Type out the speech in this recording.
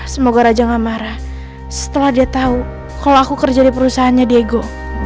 semoga raja gak marah setelah dia tahu kalau aku kerja di perusahaannya diego